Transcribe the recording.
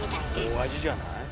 大味じゃない？